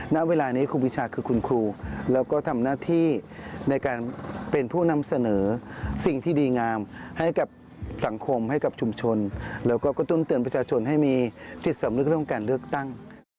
ณเวลานี้ครูปีชาคือคุณครูแล้วก็ทำหน้าที่ในการเป็นผู้นำเสนอสิ่งที่ดีงามให้กับสังคมให้กับชุมชนแล้วก็กระตุ้นเตือนประชาชนให้มีจิตสำนึกเรื่องการเลือกตั้ง